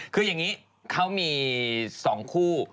คืออย่างนี้เค้ามีสองคู่